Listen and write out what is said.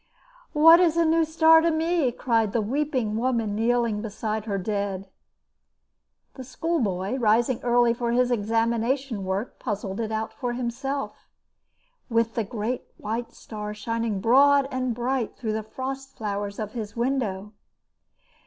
"What is a new star to me?" cried the weeping woman kneeling beside her dead. The schoolboy, rising early for his examination work, puzzled it out for himself with the great white star, shining broad and bright through the frost flowers of his window.